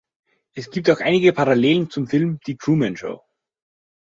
Es gibt auch einige Parallelen zum Film "Die Truman Show".